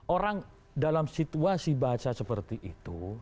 orang dalam situasi baca seperti itu